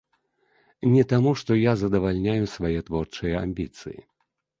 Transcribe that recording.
Не таму, што я задавальняю свае творчыя амбіцыі.